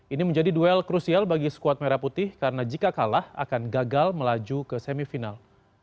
ini menjadi duel krusial bagi squad merah putih karena jika kalah akan gagal melaju ke semifinal